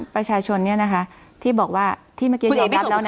ประชาชนที่บอกว่าที่เมื่อกี้ยอมรับแล้วนะ